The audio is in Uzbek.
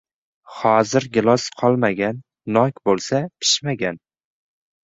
Hozir gilos qolmagan. Nok bo‘lsa - pishmagan.